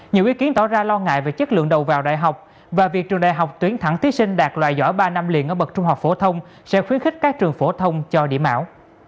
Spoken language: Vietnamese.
nhiều ý kiến tỏ ra lo ngại về chất lượng đầu vào đại học và việc trường đại học tuyến thẳng thí sinh đạt loại giỏi ba năm liền ở bậc trung học phổ thông sẽ khuyến khích các trường phổ thông cho điểm ảo